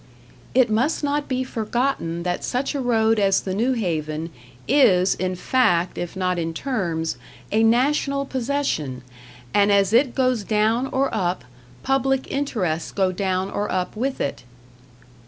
"It must not be forgotten that such a road as the New Haven is, in fact if not in terms, a National possession, and as it goes down or up, public interests go down or up with it."